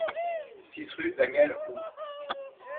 six rue Daniel Roux